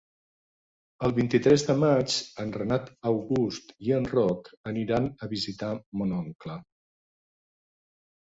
El vint-i-tres de maig en Renat August i en Roc aniran a visitar mon oncle.